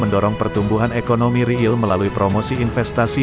mendorong pertumbuhan ekonomi real melalui promosi investasi